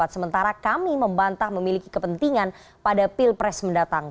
sementara kami membantah memiliki kepentingan pada pil pres mendatang